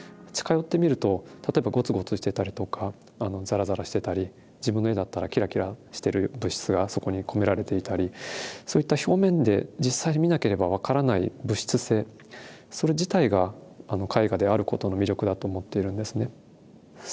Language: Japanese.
近寄って見ると例えばゴツゴツしてたりとかザラザラしてたり自分の絵だったらキラキラしてる物質がそこに込められていたりそういった表面で実際に見なければ分からない物質性それ自体が絵画であることの魅力だと思っているんですね。